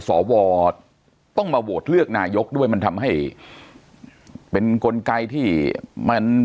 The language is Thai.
สวต้องมาโหวตเลือกนายกด้วยมันทำให้เป็นกลไกที่มัน